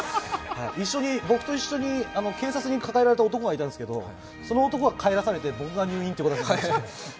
僕と一緒に警察に抱えられた男がいたんですけど、その男は帰らされて、僕が入院ってことになりました。